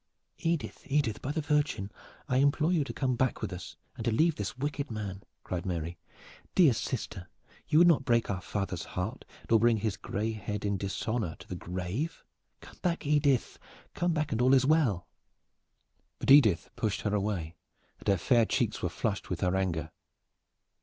"Edith, Edith! By the Virgin, I implore you to come back with us, and to leave this wicked man!" cried Mary. "Dear sister, you would not break our father's heart, nor bring his gray head in dishonor to the grave! Come back Edith, come back and all is well." But Edith pushed her away, and her fair cheeks were flushed with her anger.